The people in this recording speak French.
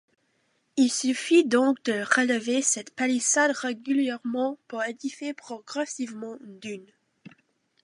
Il suffit donc de relever cette palissade régulièrement pour édifier progressivement une dune.